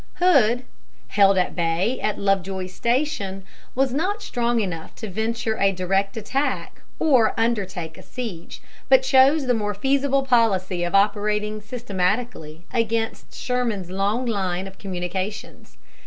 Hood, held at bay at Lovejoy's Station, was not strong enough to venture a direct attack or undertake a siege, but chose the more feasible policy of operating systematically against Sherman's long line of communications.